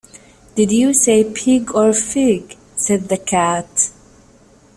‘Did you say pig, or fig?’ said the Cat.